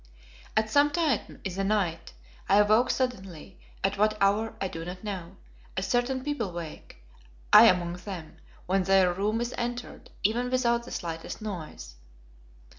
At some time in the night I awoke suddenly, at what hour I do not know, as certain people wake, I among them, when their room is entered, even without the slightest noise.